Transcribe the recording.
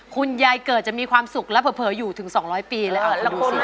คุณยายเกิดจะมีความสุขมีความเพื่อยู่ถึง๒๐๐ปีนี้